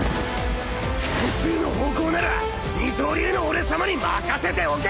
複数の方向なら二刀流の俺さまに任せておけ！